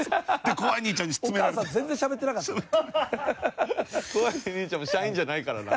怖い兄ちゃんも社員じゃないからなあれ。